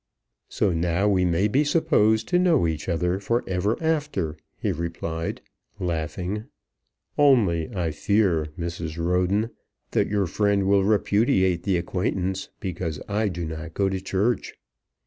"So now we may be supposed to know each other for ever after," he replied, laughing; " only I fear, Mrs. Roden, that your friend will repudiate the acquaintance because I do not go to church."